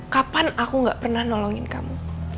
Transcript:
kapan aku gak pernah nolongin kamu